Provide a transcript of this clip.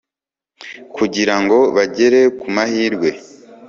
kugira ngo bagere ku mahirwe